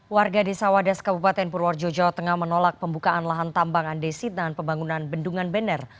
warga desa wadas kabupaten purworejo jawa tengah menolak pembukaan lahan tambang andesit dan pembangunan bendungan bener